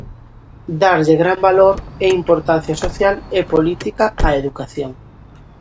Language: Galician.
-Darlle gran valor e importancia social e política á educación.